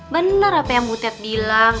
benar apa yang butet bilang